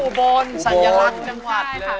อุบลสัญลักษณ์จังหวัดนะคะ